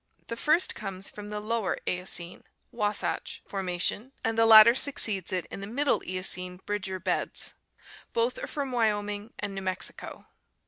The first comes from the Lower Eocene (Wasatch) formation, and the latter succeeds it in the Middle Eocene Bridger beds. Both are from Wyoming and New Mexico.